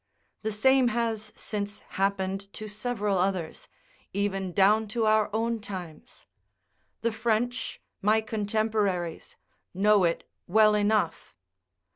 The same has since happened to several others, even down to our own times: the French, my contemporaries, know it well enough.